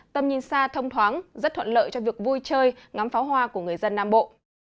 tầm nhìn xa thông thoáng rất thuận lợi cho việc vui chơi ngắm pháo hoa của người dân nam bộ